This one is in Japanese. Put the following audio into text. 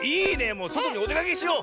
もうそとにおでかけしよう！